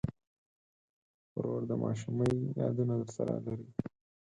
ورور د ماشومۍ یادونه درسره لري.